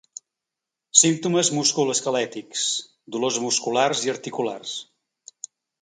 Símptomes musculoesquelètics: dolors musculars i articulars.